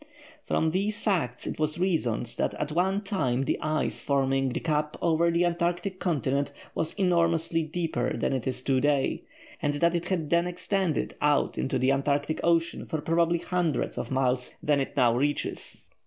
From these facts it was reasoned that at one time the ice forming the cap over the Antarctic continent was enormously deeper than it is to day, and that it then extended out into the Antarctic Ocean for probably hundreds of miles further than it now reaches.